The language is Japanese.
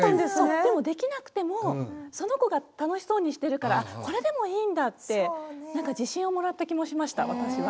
でもできなくてもその子が楽しそうにしてるからあっこれでもいいんだって何か自信をもらった気もしました私は。